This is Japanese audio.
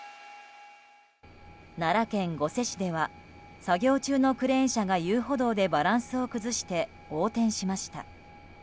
奈良県御所市では作業中のクレーン車が遊歩道でバランスを崩して横転しました。